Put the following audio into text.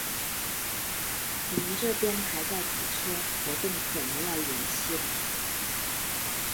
我们这边还在堵车，活动可能要延期了。